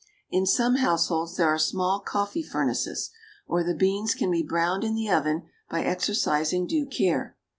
In some households there are small coffee furnaces; or the beans can be browned in the oven by exercising due care.